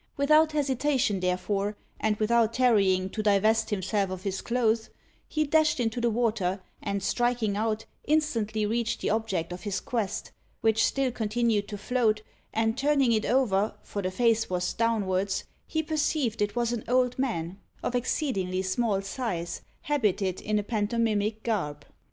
Without hesitation, therefore, and without tarrying to divest himself of his clothes, he dashed into the water, and striking out, instantly reached the object of his quest, which still continued to float, and turning it over, for the face was downwards, he perceived it was an old man, of exceedingly small size, habited in a pantomimic garb.